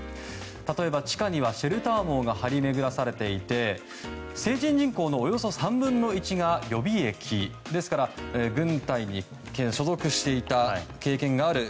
例えば地下にはシェルター網が張り巡らされていて成人人口のおよそ３分の１が予備役ですから軍隊に所属していた経験がある。